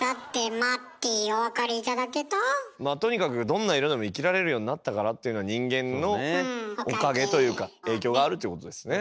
まあとにかくどんな色でも生きられるようになったからというのは人間のおかげというか影響があるっていうことですね。